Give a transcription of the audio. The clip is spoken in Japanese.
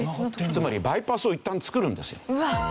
つまりバイパスをいったん造るんですよ。